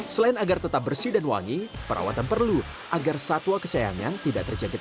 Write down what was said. selain agar tetap bersih dan wangi perawatan perlu agar satwa kesayangan tidak terjangkit